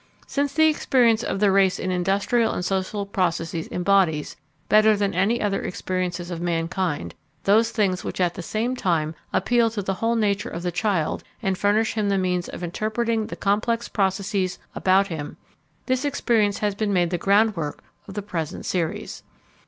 Since the experience of the race in industrial and social processes embodies, better than any other experiences of mankind, those things which at the same time appeal to the whole nature of the child and furnish him the means of interpreting the complex processes about him, this experience has been made the groundwork of the present series.